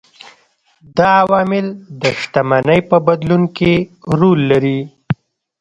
دا عوامل د شتمنۍ په بدلون کې رول لري.